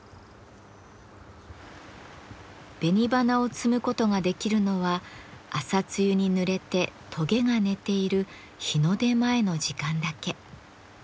紅花を摘むことができるのは朝露にぬれてトゲが寝ている日の出前の時間だけ。